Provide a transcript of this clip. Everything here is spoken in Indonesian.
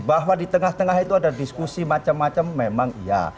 bahwa di tengah tengah itu ada diskusi macam macam memang iya